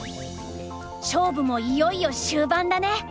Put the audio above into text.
勝負もいよいよ終盤だね。